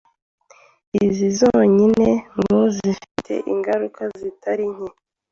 izi zonyine ngo zifite ingaruka zitari nke